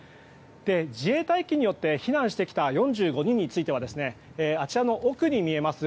自衛隊機によって避難してきた４５人についてはあちらの奥に見えます